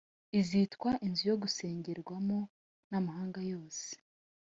izitwa inzu yo gusengerwamo n amahanga yose